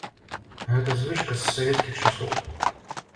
Гэта звычка з савецкіх часоў.